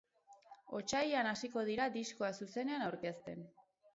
Otsailean hasiko dira diskoa zuzenean aurkezten.